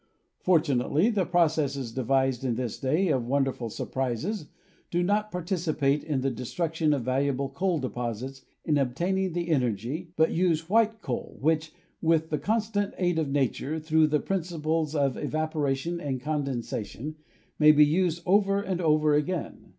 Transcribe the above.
For tunately, the processes devised in this day of wonderful surprises do not participate in the destruction of valuable coal deposits in obtaining the energy, but use "white coal," which, with the constant aid of nature, through the prin ciples of evaporation and condensation, may be used over xiv INTRODUCTION and over again.